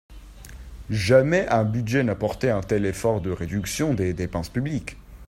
Jamais un budget n’a porté un tel effort de réduction des dépenses publiques.